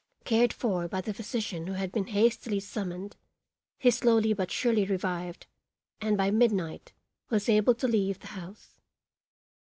Cared for by the physician who had been hastily summoned, he slowly but surely revived and by midnight was able to leave the house.